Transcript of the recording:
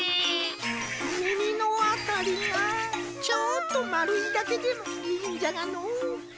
みみのあたりがちょっとまるいだけでもいいんじゃがのう。